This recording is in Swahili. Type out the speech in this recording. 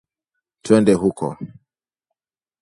Twende huko